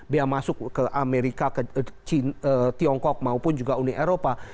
biaya masuk ke amerika ke tiongkok maupun juga uni eropa